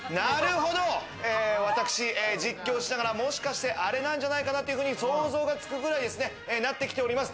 なるほど、私、実況しながら、もしかしてアレなんじゃないかなって想像がつくくらいですね、なってきております。